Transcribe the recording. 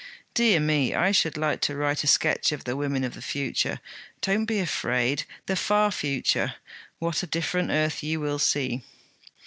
Dear me, I should like to write a sketch of the women of the future don't be afraid! the far future. What a different earth you will see!'